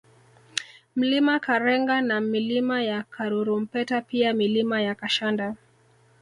Mlima Karenga na Milima ya Karurumpeta pia Milima ya Kashanda